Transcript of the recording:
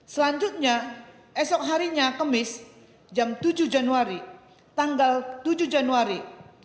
selanjutnya esok harinya kemis jam tujuh januari tanggal tujuh januari dua ribu dua puluh